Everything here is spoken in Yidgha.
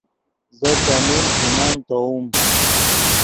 زو چیمین ژے مَنۡ تیووم